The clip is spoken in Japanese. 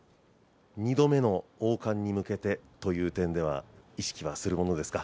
２度目の王冠に向けてという点では意識するものですか？